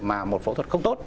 mà một phẫu thuật không tốt